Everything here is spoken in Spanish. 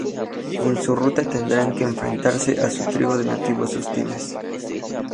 En su ruta tendrán que enfrentarse a una tribu de nativos hostiles.